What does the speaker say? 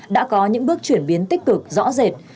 đã có những bước chuyển biến tích cực rõ rệt